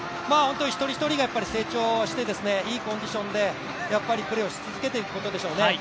一人一人が成長して、いいコンディションでプレーをし続けていくことでしょうね。